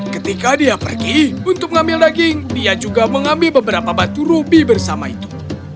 ketika dia pergi untuk mengambil daging dia juga mengambil beberapa batu rubi bersama itu